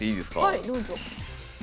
はいどうぞ。